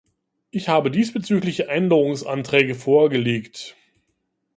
Ich habe diesbezügliche Änderungsanträge vorgelegt.